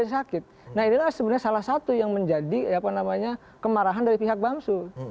sakit nah ini adalah sebenarnya salah satu yang menjadi apa namanya kemarahan dari pihak bamsud